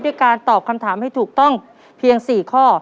การตอบคำถามให้ถูกต้องเพียง๔ข้อ